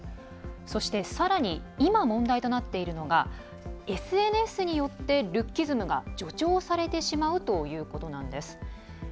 そしてさらに今、問題となっているのがＳＮＳによってルッキズムが助長されてしまうということなんです。